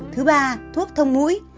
thứ ba thuốc thông mũi